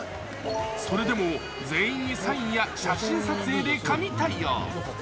それでも全員にサインや写真撮影で神対応。